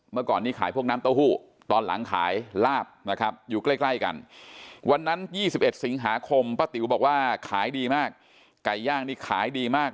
เมื่อก่อนนี้ขายพวกน้ำเต้าหู้ตอนหลังขายลาบนะครับอยู่ใกล้กันวันนั้น๒๑สิงหาคมป้าติ๋วบอกว่าขายดีมากไก่ย่างนี่ขายดีมาก